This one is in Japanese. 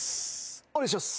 お願いします。